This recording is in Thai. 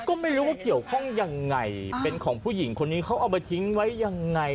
ก็ไม่รู้ว่าเกี่ยวข้องยังไงเป็นของผู้หญิงคนนี้เขาเอาไปทิ้งไว้ยังไง